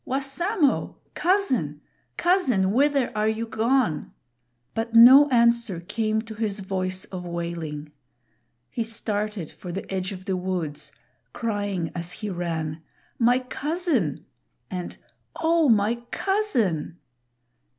Wassamo! cousin! cousin! whither are you gone?" But no answer came to his voice of wailing. He started for the edge of the woods, crying as he ran, "My cousin!" and "Oh, my cousin!"